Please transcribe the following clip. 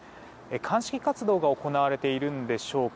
鑑識活動が行われているんでしょうか。